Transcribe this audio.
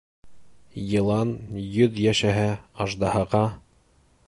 Йылан йөҙ йәшәһә аждаһаға